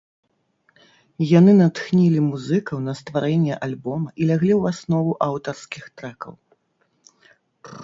Яны натхнілі музыкаў на стварэнне альбома і ляглі ў аснову аўтарскіх трэкаў.